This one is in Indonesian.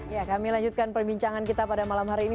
ya kami lanjutkan perbincangan kita pada malam hari ini